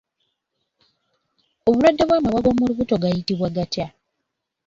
Obulwadde bw'amabwa g'omu lubuto gayitibwa gatya?